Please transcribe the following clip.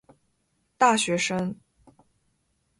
大学生